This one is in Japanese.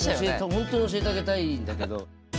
本当に教えてあげたいんだけど。